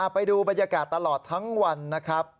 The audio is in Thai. ไปดูบรรยากาศตลอดทั้งวันนะครับ